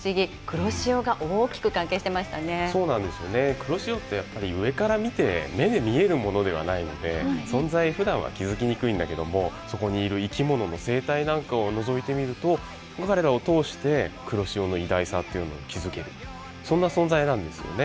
黒潮ってやっぱり上から見て目で見えるものではないので存在ふだんは気付きにくいんだけどもそこにいる生き物の生態なんかをのぞいてみると彼らを通して黒潮の偉大さっていうのに気付けるそんな存在なんですよね。